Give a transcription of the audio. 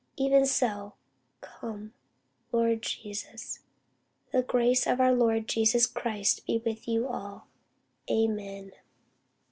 Even so, come, Lord Jesus. The grace of our Lord Jesus Christ be with you all. Amen.